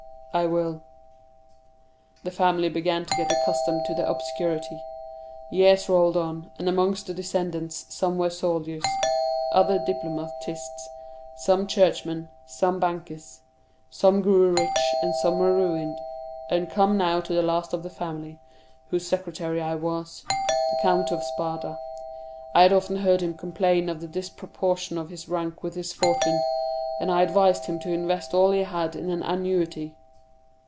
"I will. The family began to get accustomed to their obscurity. Years rolled on, and amongst the descendants some were soldiers, others diplomatists; some churchmen, some bankers; some grew rich, and some were ruined. I come now to the last of the family, whose secretary I was—the Count of Spada. I had often heard him complain of the disproportion of his rank with his fortune; and I advised him to invest all he had in an annuity.